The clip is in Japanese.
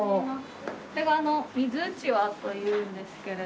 これが水うちわというんですけれども。